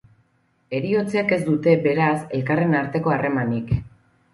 Heriotzek ez dute, beraz, elkarren arteko harremanik.